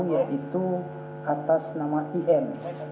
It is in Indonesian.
yaitu atas nama iem